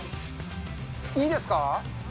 いいですか？